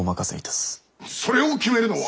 それを決めるのは。